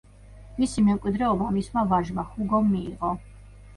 მისი მემკვიდრეობა მისმა ვაჟმა, ჰუგომ მიიღო.